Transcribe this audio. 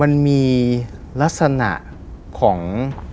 มันมีลักษณะของ